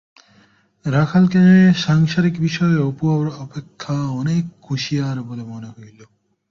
রাখালকে সাংসারিক বিষয়ে অপুর অপেক্ষা অনেক কুঁশিয়ার বলিয়া মনে হইল।